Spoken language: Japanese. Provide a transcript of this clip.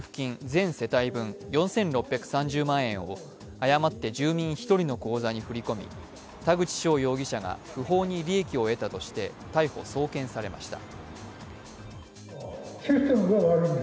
全世帯分４６３０万円を誤って住民１人の口座に振り込み、田口翔容疑者が不法に利益を得たとして逮捕・送検されました。